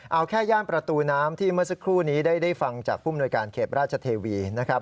เอาแค่ย่านประตูน้ำที่เมื่อสักครู่นี้ได้ฟังจากผู้มนวยการเขตราชเทวีนะครับ